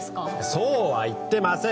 そうは言ってません